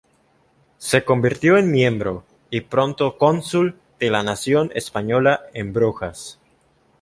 Se convirtió en miembro y pronto cónsul de la nación española en Brujas.